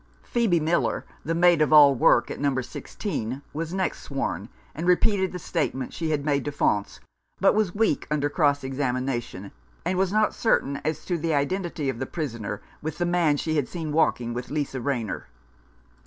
Phcebe Miller, the maid of all work at No. 16, was next sworn, and repeated the statement she had made to Faunce, but was weak under cross examination, and was not certain as to the identity of the prisoner with the man she had seen walking with Lisa Rayner.